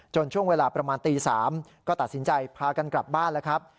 ช่วงเวลาประมาณตี๓ก็ตัดสินใจพากันกลับบ้านแล้วครับ